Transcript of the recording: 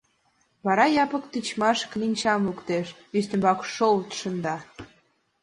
Вара Япык тичмаш кленчам луктеш, ӱстембак шолт шында.